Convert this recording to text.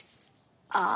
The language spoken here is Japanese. ああ。